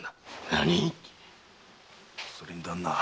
なに⁉それに旦那。